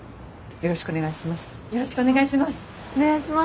よろしくお願いします。